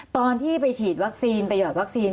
ตอนที่ไปฉีดวัคซีนไปหยอดวัคซีน